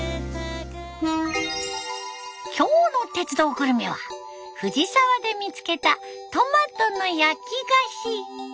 今日の「鉄道グルメ」は藤沢で見つけたトマトの焼き菓子。